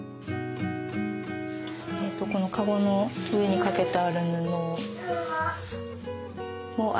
このカゴの上にかけてある布も藍染めです。